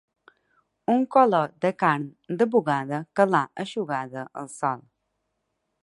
Un color de carn de bugada que l'ha eixugada el sol